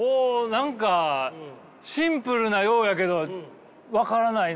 何かシンプルなようやけど分からないな。